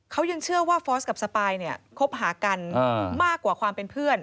เขายังเชื่อว่าฟอร์สกับสปายเนี่ยคบหากันมากกว่าความเป็นเพื่อน